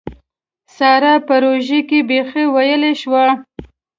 سارا په روژه کې بېخي ويلې شوه.